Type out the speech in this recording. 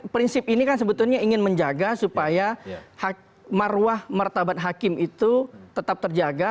prinsip ini kan sebetulnya ingin menjaga supaya marwah martabat hakim itu tetap terjaga